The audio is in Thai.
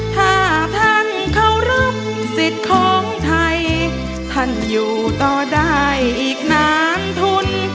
ถ้าท่านเคารพสิทธิ์ของไทยท่านอยู่ต่อได้อีกนานทุน